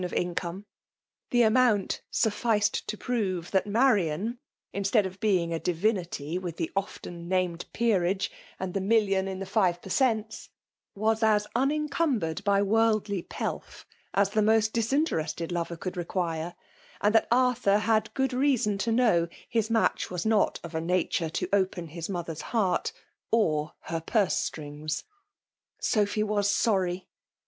of income. The amount sufficed to prove that '' Marian/' instead of being a divinity with the ofteur named peerage, and the million in the five per B 3 10 FBMALB DOMINATION. oent8> wmB as unencuiiibeied l^ worldly pdf ms the most diflintereBted lover could require; and tliat Arthur had good reason to know bis match was not of a nature to open his mother's hfeart, (HT her purse strings. Soph j was sorry